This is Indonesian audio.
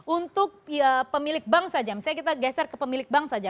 untuk pemilik bank saja misalnya kita geser ke pemilik bank saja